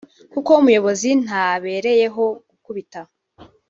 kuko umuyobozi ntabereyeho gukubita